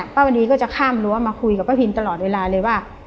วดีก็จะข้ามรั้วมาคุยกับป้าพิมตลอดเวลาเลยว่า